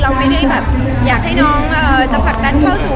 ใช่ครับฉันมีเชียร์เต็มที่